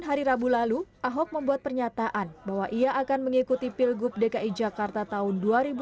hari rabu lalu ahok membuat pernyataan bahwa ia akan mengikuti pilgub dki jakarta tahun dua ribu delapan belas